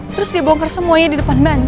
terus dia bongkar semuanya di depan mbak andin